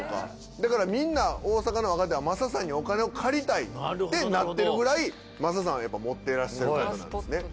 だからみんな大阪の若手は雅さんにお金を借りたいってなってるくらい雅さんはやっぱ持ってらっしゃる方なんですね。